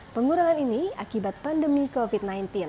pengurangan ini akibat pandemi covid sembilan belas